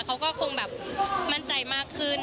เขาก็คงแบบมั่นใจมากขึ้น